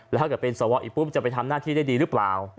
แล้วถ้าเกิดเป็นสวอีกปุ๊บจะไปทำหน้าที่ได้ดีหรือเปล่า